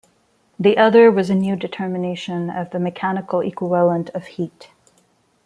The other was a new determination of the mechanical equivalent of heat.